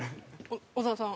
小沢さん。